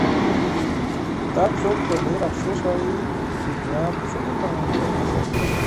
دا څوک په ډېر افسوس وايي : دنيا څونه کږه ده